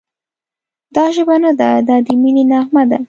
دا ژبه نه ده، دا د مینې نغمه ده»